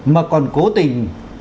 mà còn cố tình